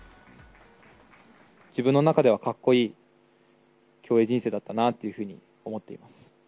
自分の中ではかっこいい競泳人生だったなっていうふうに思っています。